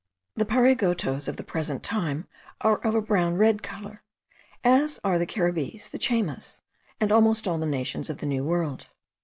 The Pariagotos of the present time are of a brown red colour, as are the Caribbees, the Chaymas, and almost all the nations of the New World.